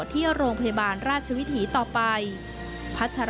การเดินทางไปรับน้องมินครั้งนี้ทางโรงพยาบาลเวทธานีไม่มีการคิดค่าใช้จ่ายใด